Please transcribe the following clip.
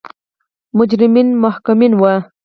مجرمین محکومین وو.